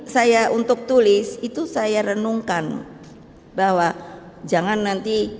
saya untuk tulis itu saya renungkan bahwa jangan nanti